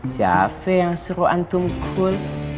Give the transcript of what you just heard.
siapa yang suruh antum kul